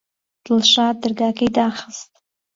دڵشاد دەرگاکەی داخست.